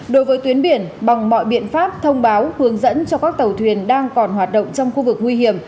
đối với tuyến biển bằng mọi biện pháp thông báo hướng dẫn cho các tàu thuyền đang còn hoạt động trong khu vực nguy hiểm